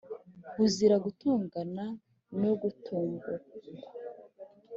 Buzira gutongana no gutombokwa